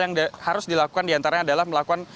yang harus dilakukan diantaranya adalah melakukan